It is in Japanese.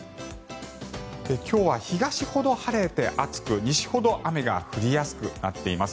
今日は東ほど晴れて暑く西ほど雨が降りやすくなっています。